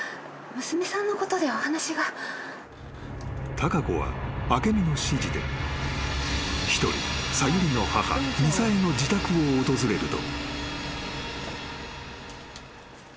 ［貴子は明美の指示で一人さゆりの母みさえの自宅を訪れると］